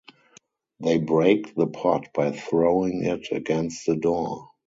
They break the pot by throwing it against the door.